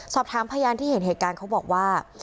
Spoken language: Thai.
สอบถามพยานที่เห็นเหตุการณ์เขาบอกว่า